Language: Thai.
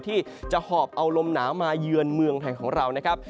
ที่จะหอบเอาลมหนาวมาเยือนเมืองไทยของเรานะครับ